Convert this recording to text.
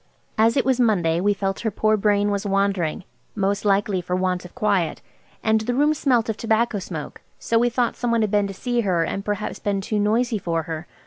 As it was Monday, we felt her poor brain was wandering–most likely for want of quiet. And the room smelt of tobacco smoke, so we thought some one had been to see her and perhaps been too noisy for her.